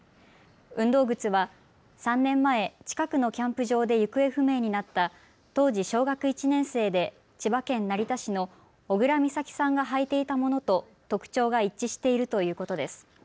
運動靴は３年前近くのキャンプ場で行方不明になった当時小学１年生で千葉県成田市の小倉美咲さんが履いていたものと特徴が一致しているということです。